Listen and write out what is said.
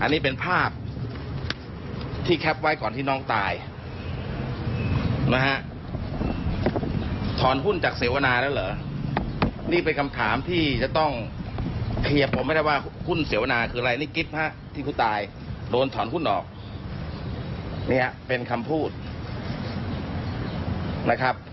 และมีผู้ชายที่โพสต์เอาภาพน้องกิฟต์นะครับ